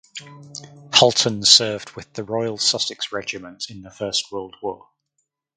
Hulton served with the Royal Sussex Regiment in the First World War.